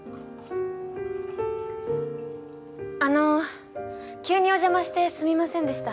あの急にお邪魔してすみませんでした。